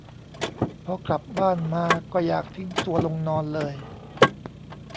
พอกลับบ้านมาก็อยากทิ้งตัวลงนอนเลย